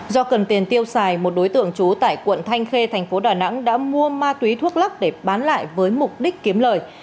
do cần tiền tiêu xài một đối tượng trú tại quận thanh khê thành phố đà nẵng đã mua ma túy thuốc lắc để bán lại với mục đích kiếm lời